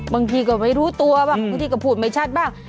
บางทีก็ไม่รู้ตัวบ้างบางทีก็พูดไม่ชัดบ้าง